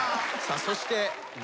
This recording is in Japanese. そして。